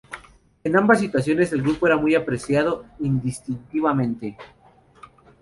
En ambas situaciones el grupo era muy apreciado, indistintamente.